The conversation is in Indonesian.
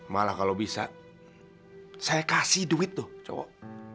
malah kalau bisa saya kasih duit tuh coba